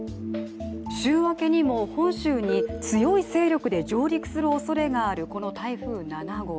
週明けにも本州に強い勢力で上陸するおそれがある、この台風７号。